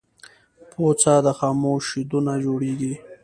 پوڅه د خامو شیدونه جوړیږی.